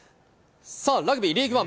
ラグビーリーグワン。